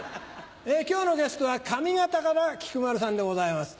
今日のゲストは上方から菊丸さんでございます。